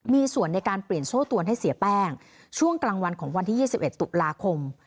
มีส่วนในการเปลี่ยนโซ่ตวนให้เสียแป้งช่วงกลางวันของวันที่๒๑ตุลาคม